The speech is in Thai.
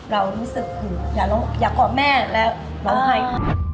เรารู้สึกอยากเกาะแม่แล้วเราให้ค่ะ